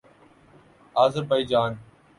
Azerbaijan